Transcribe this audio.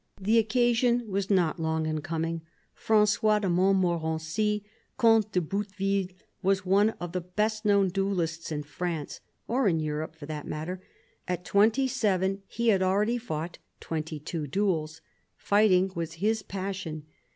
The occasion was not long in coming. Fran9ois de Montmorency, Comte de Bouteville, was one of the best known duellists in France — or in Europe, for that matter. At twenty seven he had already fought twenty two duels. Fighting was his passion.